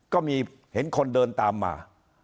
ก็มีเห็นคนเดินตามมา